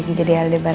aku mau ke rumah